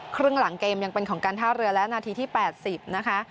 ครึ่งหลังเกมยังเป็นของการท่าเรือและนาทีที่๘๐นะคะ